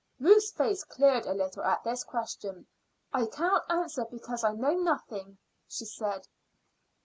Ruth's face cleared a little at this question. "I cannot answer because I know nothing," she said.